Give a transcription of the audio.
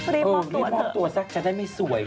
รีบมอบตัวสักจะได้ไม่สวย